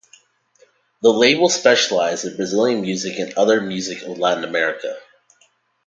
The label specialized in Brazilian music and other music of Latin America.